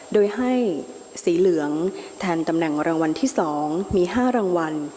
โดยให้สีเหลืองแทนตำแหน่งรางวัลที่๒มี๕รางวัล